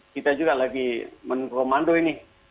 kita juga lagi komando ini